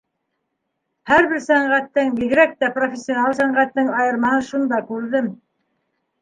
Һәр бер сәнғәттең, бигерәк тә, профессиональ сәнғәттең айырмаһын шунда күрҙем.